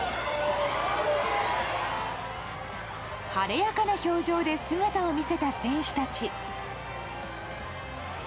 晴れやかな表情で姿を見せた選手たち。